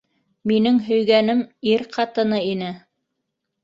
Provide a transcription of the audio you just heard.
Минең һөйгәнем - ир ҡатыны ине.